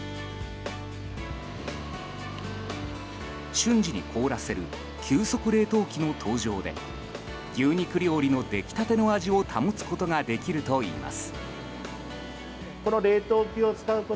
瞬時に凍らせる急速冷凍機の登場で牛肉料理の出来たての味を保つことができるといいます。